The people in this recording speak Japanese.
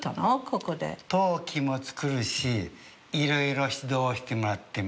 陶器も作るしいろいろ指導してもらってます。